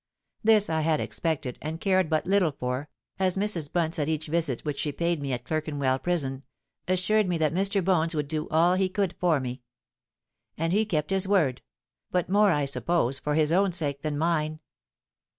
This I had expected, and cared but little for, as Mrs. Bunce at each visit which she paid me at Clerkenwell Prison, assured me that Mr. Bones would do all he could for me. And he kept his word—but more, I suppose, for his own sake than mine.